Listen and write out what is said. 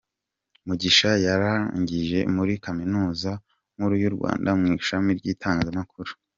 Mugisha yarangije muri kaminuza nkuru y’u Rwanda mu ishami ry’itangazamakuru.